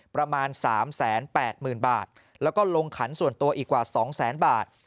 ประมาณ๓๘๐๐๐บาทแล้วก็ลงขันส่วนตัวอีกกว่า๒แสนบาท